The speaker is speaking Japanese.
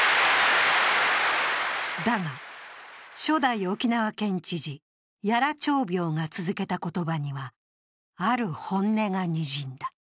だが、初代沖縄県知事屋良朝苗が続けた言葉にはある本音がにじんだ。